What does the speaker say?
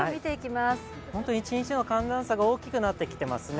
本当に一日の寒暖差が大きくなってきていますね。